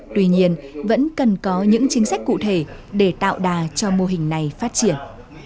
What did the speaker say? tuy nhiên vẫn cần có những chính sách cụ thể để tạo đà cho mô hình này phát triển